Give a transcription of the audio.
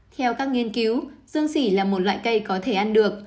theo các nghiên cứu dương xỉ là một loại cây có thể ăn được